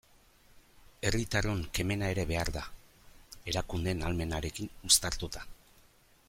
Herritarron kemena ere behar da, erakundeen ahalmenarekin uztartuta.